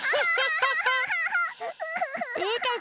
うーたん